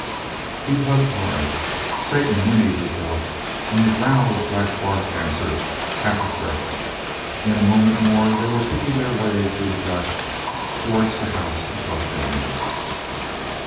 He tugged hard. Satan whinnied his doubt, and the growl of Black Bart answered, half a threat. In a moment more they were picking their way through the brush towards the house of Buck Daniels.